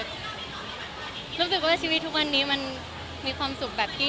รู้สึกว่าชีวิตทุกวันนี้มันมีความสุขแบบที่